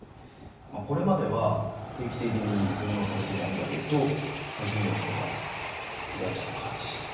これまでは定期的に分納されてたんだけど最近ではそれが途絶えちゃった感じ。